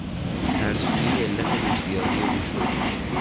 ترسویی علت روسیاهی او شد.